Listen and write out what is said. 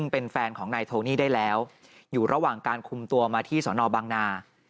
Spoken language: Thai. เป็นแฟนของนายโทนี่ได้แล้วอยู่ระหว่างการคุมตัวมาที่สนบางนา